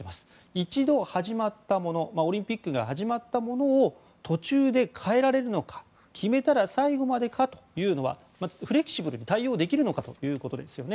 一度始まったものオリンピックが始まったものを途中で変えられるのか決めたら最後までかというのはフレキシブルに対応できるのかということですよね。